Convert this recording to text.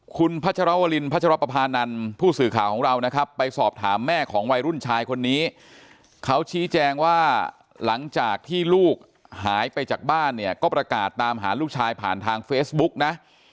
คุณพัชรวรินพัชรปภานันผู้สื่อข่าวของเรานะครับไปสอบถามแม่ของวัยรุ่นชายคนนี้เขาชี้แจงว่าหลังจากที่ลูกหายไปจากบ้านเนี่ยก็ประกาศตามหาลูกชายผ่านทางเฟซบุ๊กนะ